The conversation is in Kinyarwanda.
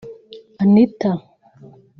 Anitha